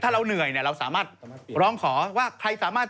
ถ้าเราเหนื่อยนะใครสามารถ